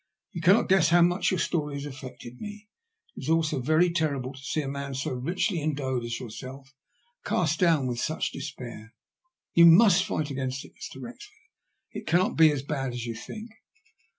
"You cannot guess how much your story has affected me. It is so very terrible to see a man so richly endowed as yourself cast down with such despair. You must fight against it, Mr. Wrexford. It cannot be as bad as you think."